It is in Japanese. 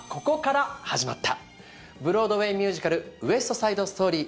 ブロードウェイ・ミュージカル「ウエスト・サイド・ストーリー」